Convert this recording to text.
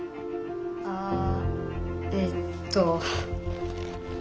あえっと。